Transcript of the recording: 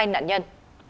hai nạn nhân